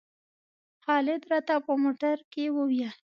خالد راته په موټر کې وویل.